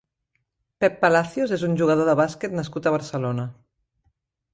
Pep Palacios és un jugador de bàsquet nascut a Barcelona.